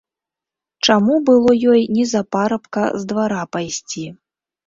Чаму было ёй не за парабка з двара пайсці.